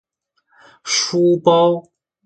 书包